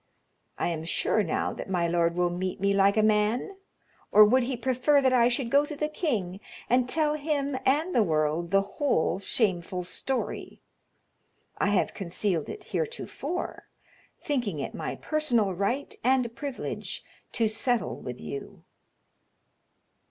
I am sure now that my lord will meet me like a man; or would he prefer that I should go to the king and tell him and the world the whole shameful story? I have concealed it heretofore, thinking it my personal right and privilege to settle with you."